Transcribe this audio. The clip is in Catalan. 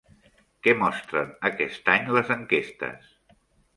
Què mostren aquest any les enquestes?